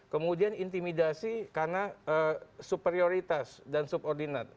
kemudian intimidasi karena superioritas dan subordinat